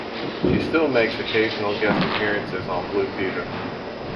She still makes occasional guest appearances on "Blue Peter".